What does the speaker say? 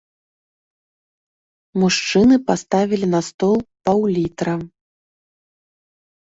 Мужчыны паставілі на стол паўлітра.